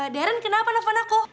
deren kenapa nelfon aku